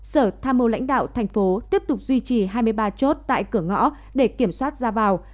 sở tham mưu lãnh đạo thành phố tiếp tục duy trì hai mươi ba chốt tại cửa ngõ để kiểm soát ra vào